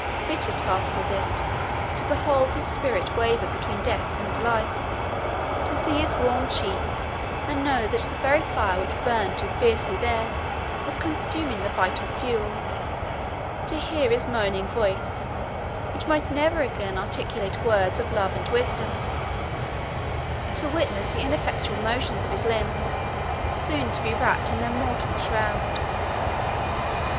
Bitter task was it, to behold his spirit waver between death and life: to see his warm cheek, and know that the very fire which burned too fiercely there, was consuming the vital fuel; to hear his moaning voice, which might never again articulate words of love and wisdom; to witness the ineffectual motions of his limbs, soon to be wrapt in their mortal shroud.